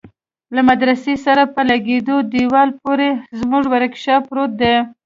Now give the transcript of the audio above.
له مدرسه سره په لگېدلي دېوال پورې زموږ ورکشاپ پروت دى.